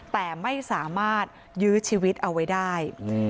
แต่ไม่สามารถยื้อชีวิตเอาไว้ได้